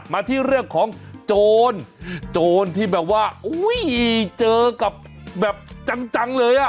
มาที่เรื่องของโจรโจรที่แบบว่าอุ้ยเจอกับแบบจังเลยอ่ะ